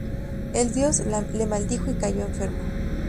El dios le maldijo y cayó enfermo.